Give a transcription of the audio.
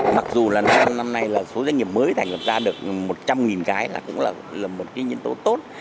mặc dù là trong năm nay là số doanh nghiệp mới thành lập ra được một trăm linh cái là cũng là một cái nhân tố tốt